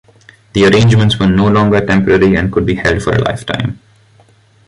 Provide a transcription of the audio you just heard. The arrangements were no longer temporary and could be held for a lifetime.